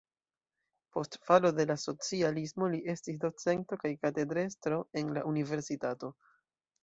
Post falo de la socialismo li estis docento kaj katedrestro en la universitato.